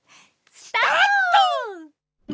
スタート！